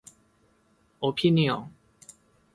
オピニオン